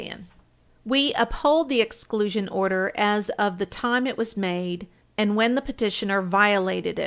[Footnote 2] We uphold the exclusion order as of the time it was made and when the petitioner violated it.